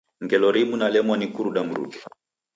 Ngelo rimu nalemwa ni kuruda mruke.